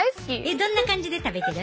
どんな感じで食べてる？